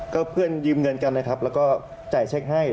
ก็เพื่อนยืมเงินกันนะครับแล้วก็จ่ายเช็คให้